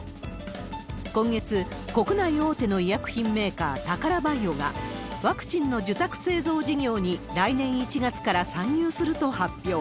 今月、国内大手の医薬品メーカー、タカラバイオが、ワクチンの受託製造事業に来年１月から参入すると発表。